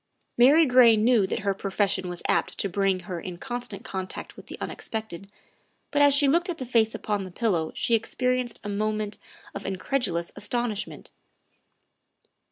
'' Mary Gray knew that her profession was apt to bring her in constant contact with the unexpected, but as she looked at the face upon the pillow she experienced a moment of incredulous astonishment.